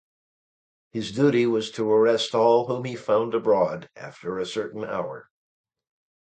His duty was to arrest all whom he found abroad after a certain hour.